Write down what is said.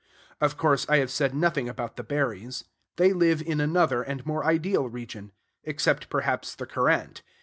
Of course, I have said nothing about the berries. They live in another and more ideal region; except, perhaps, the currant.